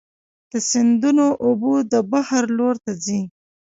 د سیندونو اوبه د بحر لور ته ځي.